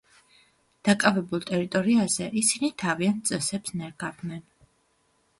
დაკავებულ ტერიტორიაზე ისინი თავიანთ წესებს ნერგავდნენ.